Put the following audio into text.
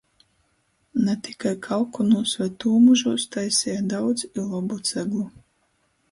Na tikai Kalkunūs voi Tūmužūs taiseja daudz i lobu ceglu.